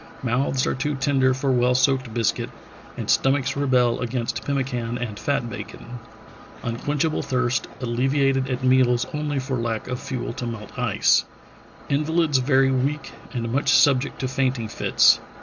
Mouths are too tender for well soaked biscuit, and stomachs rebel against pemmican and fat bacon. ... Unquenchable thirst, alleviated at meals only for lack of fuel to melt ice. ... Invalids very weak and much subject to fainting fits.